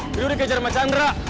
diri kejar macandra